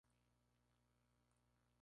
Kiyoshi Nakamura